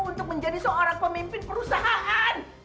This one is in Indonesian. untuk menjadi seorang pemimpin perusahaan